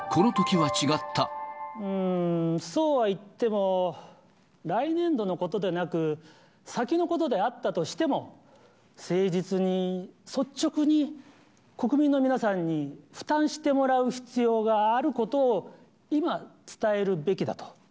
うーん、そうはいっても、来年度のことでなく、先のことであったとしても、誠実に率直に国民の皆さんに負担してもらう必要があることを、今、伝えるべきだと。